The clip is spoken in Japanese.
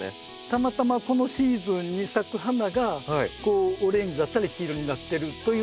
たまたまこのシーズンに咲く花がオレンジだったり黄色になってるというだけなんです。